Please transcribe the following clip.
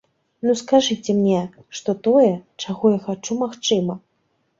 Ну скажыце мне, што тое, чаго я хачу, магчыма!